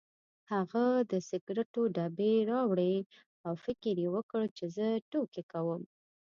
هغه د سګرټو ډبې راوړې او فکر یې وکړ چې زه ټوکې کوم.